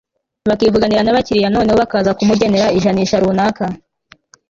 bakivuganira n'abakiliya noneho bakaza kumugenera ijanisha runaka